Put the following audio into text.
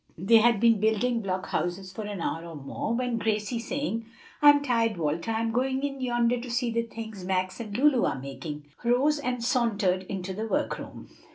They had been building block houses for an hour or more, when Gracie, saying, "I'm tired, Walter, I'm going in yonder to see the things Max and Lulu are making," rose and sauntered into the work room.